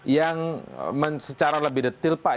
yang secara lebih detail pak